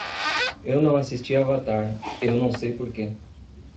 Eu não assisti Avatar, eu não sei porque.